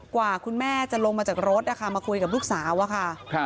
กว่าคุณแม่จะลงมาจากรถนะคะมาคุยกับลูกสาวอะค่ะ